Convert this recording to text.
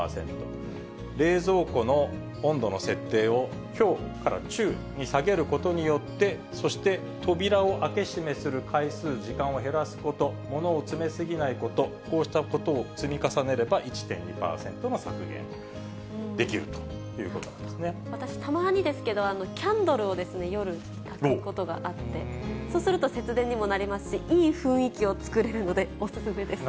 冷蔵庫の温度の設定を強から中に下げることによって、そして、扉を開け閉めする回数、時間を減らすこと、物を詰め過ぎないこと、こうしたことを積み重ねれば、１．２％の削減できるということ私、たまにですけど、キャンドルを夜、たくことがあって、そうすると、節電にもなりますし、いい雰囲気を作れるので、お勧めです。